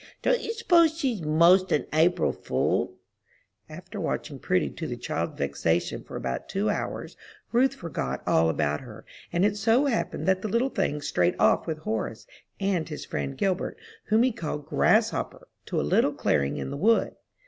Don't you s'pose she's 'most an April fool?" After watching Prudy to the child's vexation for about two hours, Ruth forgot all about her, and it so happened that the little thing strayed off with Horace and his friend Gilbert, whom he called "Grasshopper," to a little clearing in the wood.